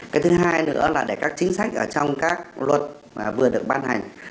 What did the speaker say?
cái thứ hai nữa là để các chính sách trong các luật mà vừa được ban hành